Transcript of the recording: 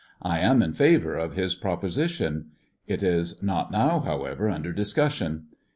I am in favor of his proposition. It is not now, however, under discussion.